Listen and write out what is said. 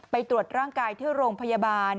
ไปตรวจร่างกายที่โรงพยาบาล